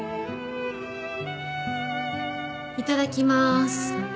いただきます。